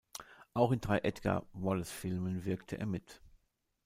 Auch in drei Edgar-Wallace-Filmen wirkte er mit.